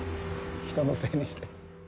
人のせいにして。